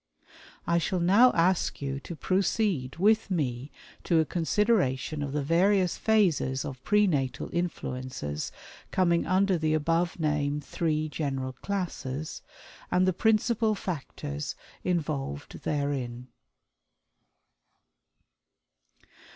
I shall now ask you to proceed with me to a consideration of the various phases of Pre Natal Influences coming under the above name three general classes, and the principal factors involved therein.